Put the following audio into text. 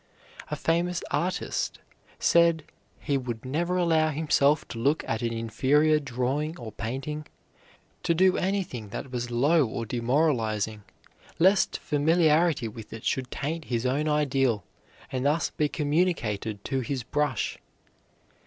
A famous artist said he would never allow himself to look at an inferior drawing or painting, to do anything that was low or demoralizing, lest familiarity with it should taint his own ideal and thus be communicated to his brush.